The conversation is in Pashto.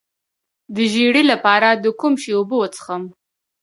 د ژیړي لپاره د کوم شي اوبه وڅښم؟